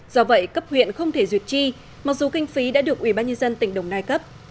do vậy cấp huyện không thể duyệt chi mặc dù kinh phí đã được ubnd tỉnh đồng nai cấp